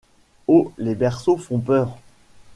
Oh ! les berceaux font peur.